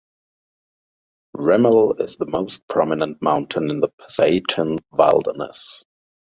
Remmel is the most prominent mountain in the Pasayten Wilderness.